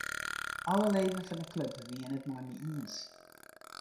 Alle leden fan 'e klup wiene it mei my iens.